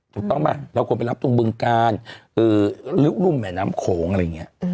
ถูกต้องป่ะเราควรไปรับตรงบึงการรุ่มแม่น้ำโขงอะไรอย่างนี้